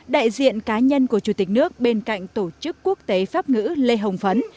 đại diện cá nhân của chủ tịch nước bên cạnh tổ chức quốc tế pháp ngữ lê hồng phấn